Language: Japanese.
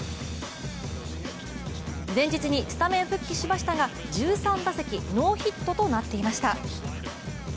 前日にスタメン復帰しましたが１３打席ノーヒットとなっていました。